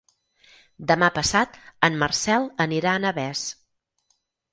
Demà passat en Marcel anirà a Navès.